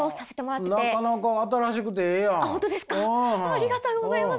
ありがとうございます！